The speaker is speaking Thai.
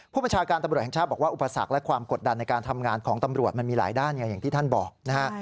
ประชาการตำรวจแห่งชาติบอกว่าอุปสรรคและความกดดันในการทำงานของตำรวจมันมีหลายด้านอย่างที่ท่านบอกนะฮะ